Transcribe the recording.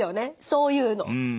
そういうの。